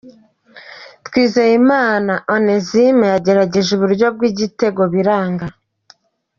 Twizerimana Onesme yagerageje uburyo bw'igitego biranga.